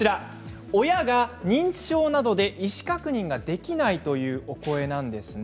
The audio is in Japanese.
親が認知症などで意思確認ができないという声です。